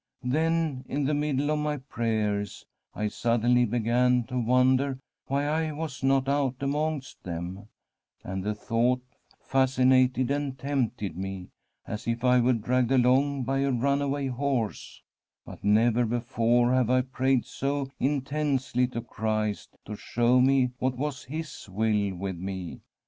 Then, in the middle of my pray ers, I suddenly began to wonder why I was not out amongst them, and the thought fascinated and tempted me, as if I were dragged along by a runaway horse ; but never before have I prayed so intensely to Christ to show me what was His will with me.